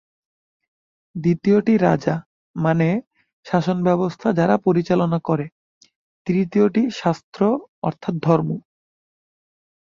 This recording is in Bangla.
দ্বিতীয় রাজা, মানে শাসনব্যবস্থা যারা পরিচালনা করে, তৃতীয়টি শাস্ত্র অর্থাৎ ধর্ম।